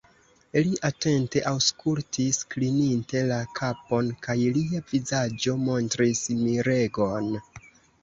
Li atente aŭskultis, klininte la kapon, kaj lia vizaĝo montris miregon.